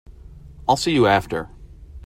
I'll see you after.